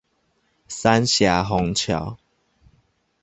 三峽虹橋